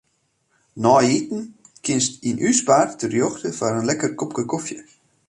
Nei iten kinst yn ús bar terjochte foar in lekker kopke kofje.